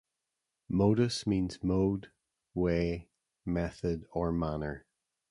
"Modus" means "mode", "way", "method", or "manner".